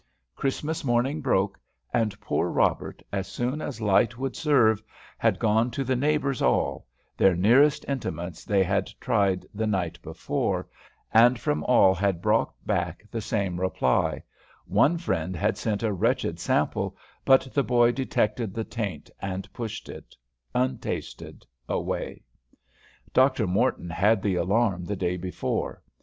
Christmas morning broke, and poor Robert, as soon as light would serve, had gone to the neighbors all, their nearest intimates they had tried the night before, and from all had brought back the same reply; one friend had sent a wretched sample, but the boy detected the taint and pushed it, untasted, away. Dr. Morton had the alarm the day before.